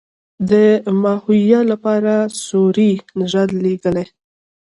د ماهویه لپاره سوري نژاد لیکلی.